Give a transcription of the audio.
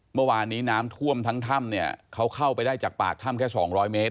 เมื่อวานนี้น้ำท่วมทั้งถ้ำเนี่ยเขาเข้าไปได้จากปากถ้ำแค่สองร้อยเมตร